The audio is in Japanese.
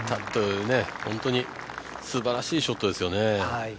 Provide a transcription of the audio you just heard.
本当にすばらしいショットですよね。